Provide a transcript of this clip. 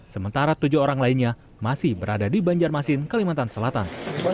sementara tujuh orang lainnya masih berada di banjarmasin kalimantan selatan